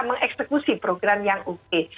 mengeksekusi program yang oke